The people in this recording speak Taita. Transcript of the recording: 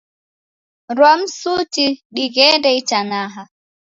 Rwa msuti dighende itanaha.